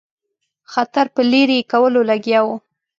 خطر په لیري کولو لګیا وو.